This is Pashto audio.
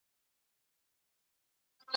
استدلال په حقیقت ولاړ وي.